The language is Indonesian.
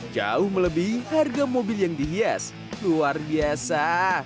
jauh melebih harga mobil yang dihias luar biasa